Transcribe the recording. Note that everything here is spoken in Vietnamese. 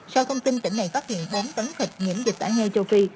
sau thông tin tỉnh này phát hiện bốn tấn thịt nhiễm dịch tả heo châu phi